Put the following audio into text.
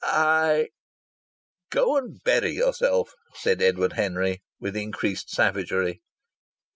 "I " "Go and bury yourself!" said Edward Henry, with increased savagery.